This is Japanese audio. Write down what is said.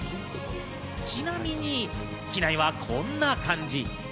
ちなみに機内はこんな感じ。